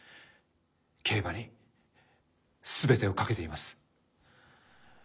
競馬に全てを懸けています。